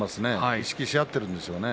意識し合っているんでしょうね。